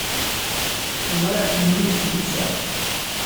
Ẓriɣ-kem yid-s netta.